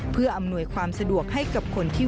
เพื่ออำนวยความสะดวกให้กับคนที่